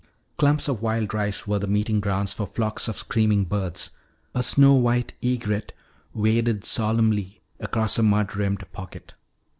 Clumps of wild rice were the meeting grounds for flocks of screaming birds. A snow white egret waded solemnly across a mud rimmed pocket.